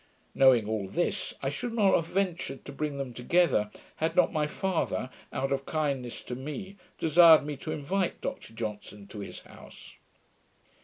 Knowing all this, I should not have ventured to bring them together, had not my father, out of kindness to me, desired me to invite Dr Johnson his house.